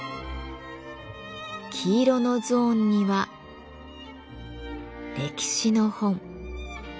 黄色のゾーンには歴史の本。